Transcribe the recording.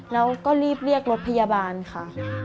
แล้วก็รีบเรียกรถพยาบาลค่ะ